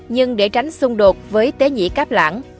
nhưng để tránh xung đột với tế nhĩ cáp lãng